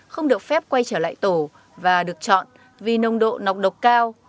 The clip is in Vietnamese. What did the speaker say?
không được phép quay trở lại tổ và được chọn vì nồng độ nọc độc cao